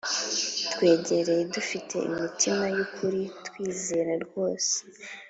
twegere dufite imitima y ukuri twizera rwose